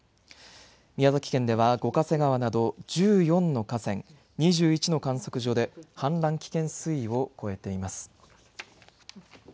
宮崎県では五ヶ瀬川など１４の河川、２１の観測所で氾濫危険水位を超えています。